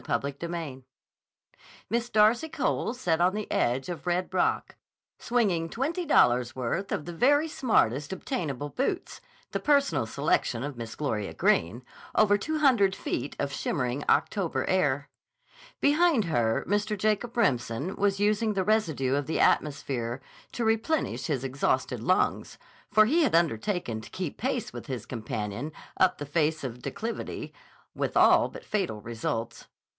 CHAPTER XV MISS DARCY COLE sat on the edge of Red Rock, swinging twenty dollars' worth of the very smartest obtainable boots, the personal selection of Miss Gloria Greene, over two hundred feet of shimmering October air. Behind her Mr. Jacob Remsen was using the residue of the atmosphere to replenish his exhausted lungs, for he had undertaken to keep pace with his companion up the face of the declivity, with all but fatal results.